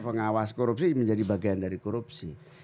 pengawas korupsi menjadi bagian dari korupsi